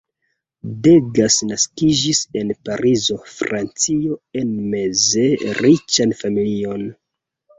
Degas naskiĝis en Parizo, Francio, en meze riĉan familion.